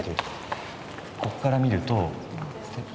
ここから見ると。